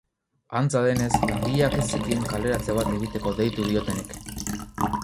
Antza denez, langileak ez zekien kaleratze bat egiteko deitu diotenik.